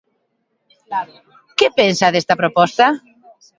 Que pensa desta proposta?